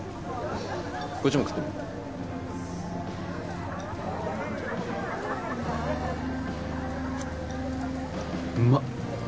こっちも食ってみうまっ